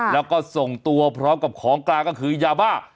แล้วก็ส่งตัวพร้อมกับของกลางก็คือยาบ้า